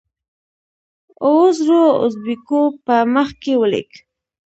اوو زرو اوزبیکو په مخ کې ولیک.